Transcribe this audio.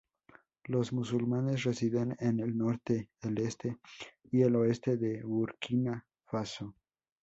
Los musulmanes residen en el norte, el este y el oeste de Burkina Faso.